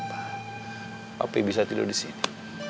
tapi bisa tidur di sini